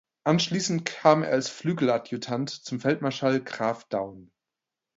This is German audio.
Anschließend kam er als Flügeladjutant zum Feldmarschall Graf Daun.